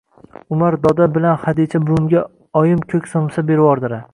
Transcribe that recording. Umar doda bilan Xadicha buvimga oyim ko’k somsa bervordilar